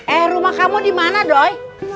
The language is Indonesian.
eh rumah kamu di mana doy